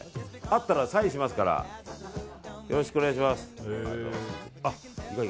会ったらサインしますからよろしくお願いします。